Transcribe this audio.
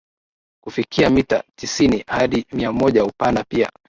hufikia mita tisini Hadi miamoja Upana pia